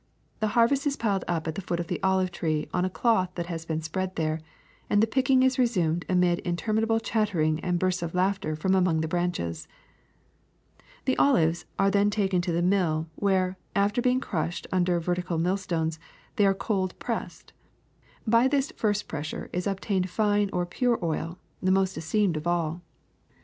The harvest is piled up at the foot of the olive tree on a cloth that has been spread there, and the picking is resumed amid interminable chattering and bursts of laughter from among the branches. The olives are taken to the mill, where, after be ing crushed under vertical millstones, they are cold pressed. By this first pressure is obtained fine or pure oil, the most esteemed of all.